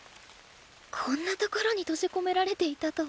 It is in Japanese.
こんなところに閉じ込められていたとは。